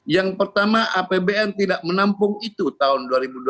yang pertama apbn tidak menampung itu tahun dua ribu dua puluh